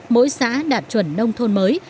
mỗi xã đạt chuẩn nông thôn mới